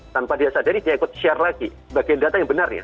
tanpa dia sadari dia ikut share lagi bagian data yang benar ya